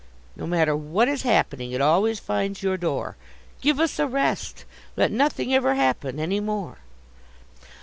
No matter what is happening it always finds your door Give us a rest! Let nothing ever happen any more.